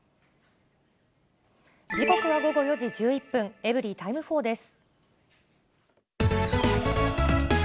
時刻は午後４時１１分、エブリィタイム４です。